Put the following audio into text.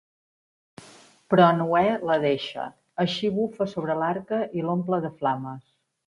Però Noè la deixa, així bufa sobre l'arca i l'omple de flames.